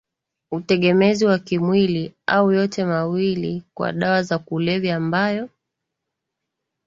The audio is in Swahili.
utegemezi wa kimwili au yote mawili kwa dawa za kulevya ambayo